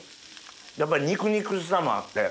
やっぱり肉肉しさもあって。